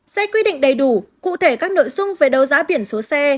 xe quy định đầy đủ cụ thể các nội dung về đấu giá biển số xe